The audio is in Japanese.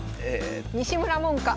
西村門下。